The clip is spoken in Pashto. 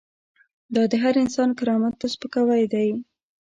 دا د هر انسان کرامت ته سپکاوی دی.